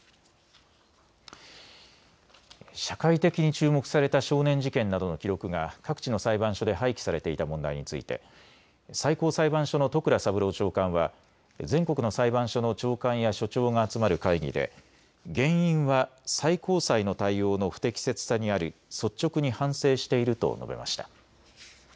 社会的に注目された少年事件などの記録が各地の裁判所で廃棄されていた問題について最高裁判所の戸倉三郎長官は全国の裁判所の長官や所長が集まる会議で原因は最高裁の対応の不適切さにあり、率直に反省していると述べました。